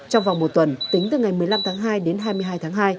trong vòng một tuần tính từ ngày một mươi năm tháng hai đến hai mươi hai tháng hai